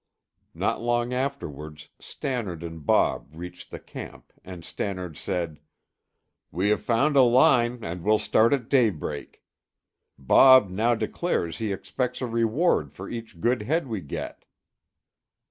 Not long afterwards Stannard and Bob reached the camp and Stannard said, "We have found a line and we'll start at daybreak. Bob now declares he expects a reward for each good head we get."